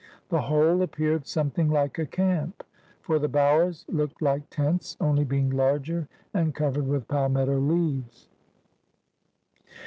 The whole appeared something like a Camp; for the Bowers looked like Tents, only being larger and covered with Palmetto Leaves.'